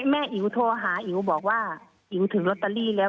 อิ๋วโทรหาอิ๋วบอกว่าอิ๋วถึงลอตเตอรี่แล้ว